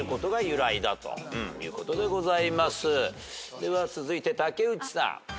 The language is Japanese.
では続いて竹内さん。